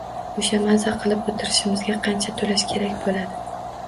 O`sha maza qilib o`tirishimizga qancha to`lash kerak bo`ladi